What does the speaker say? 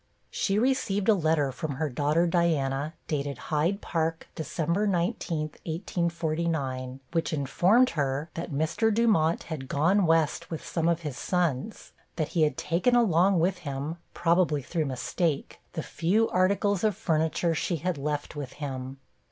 She received a letter from her daughter Diana, dated Hyde Park, December 19, 1849, which informed her that Mr. Dumont had 'gone West' with some of his sons that he had taken along with him, probably through mistake, the few articles of furniture she had left with him.